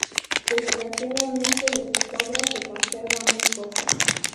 Desgraciadamente de sus obras se conserva muy poco.